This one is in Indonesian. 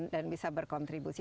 dan bisa berkontribusi